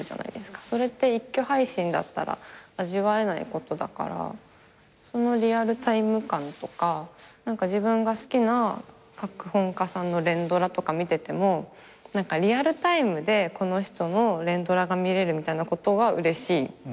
それって一挙配信だったら味わえないことだからそのリアルタイム感とか自分が好きな脚本家さんの連ドラとか見ててもリアルタイムでこの人の連ドラが見れることはうれしいですよね。